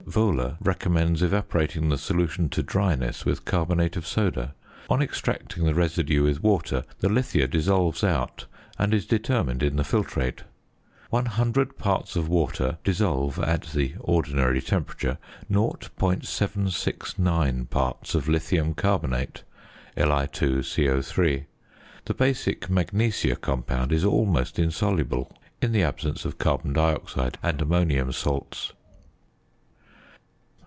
Wohler recommends evaporating the solution to dryness with carbonate of soda. On extracting the residue with water, the lithia dissolves out and is determined in the filtrate. One hundred parts of water dissolve, at the ordinary temperature, 0.769 parts of lithium carbonate (Li_CO_); the basic magnesia compound is almost insoluble in the absence of carbon dioxide and ammonium salts.